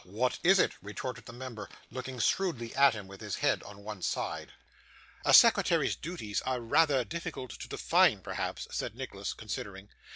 What is it?' retorted the member, looking shrewdly at him, with his head on one side. 'A secretary's duties are rather difficult to define, perhaps,' said Nicholas, considering.